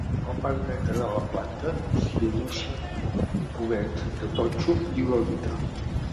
A la part dreta de la planta s'hi adossa un cobert de totxo i uralita.